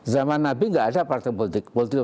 zaman nabi nggak ada partai politik